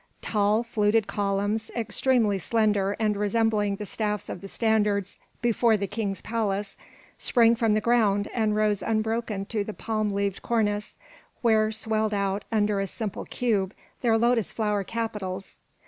Tall, fluted columns, extremely slender and resembling the staffs of the standards before the king's palace, sprang from the ground and rose unbroken to the palm leaved cornice, where swelled out, under a simple cube, their lotus flowered capitals.